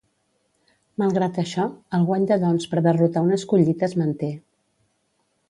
Malgrat això, el guany de dons per derrotar un escollit es manté.